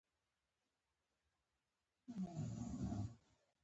په جګړه کې که موړ نس د بري لامل نه شي.